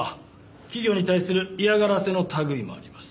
企業に対する嫌がらせの類いもあります。